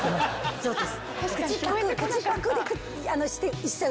そうです！